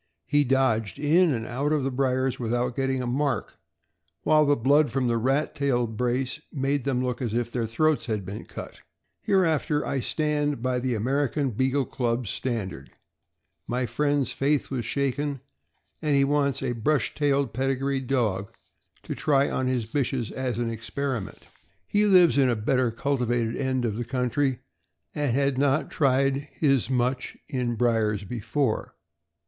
He dodged in and out of the briers without getting a mark, while the blood from the rat tailed brace made them look as if their throats had been cut. Hereafter I stand by the American Beagle Club's standaid. My friend's faith was shaken, and he wants a brush tailed pedigreed dog to try on his bitches as an experiment. THE BEAGLE HOUND. 285 He lives in a better cultivated end of the country, and had not tried his much in briers before.